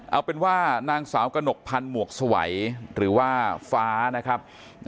เอาเป็นว่านางสาวกระหนกพันธ์หมวกสวัยหรือว่าฟ้านะครับ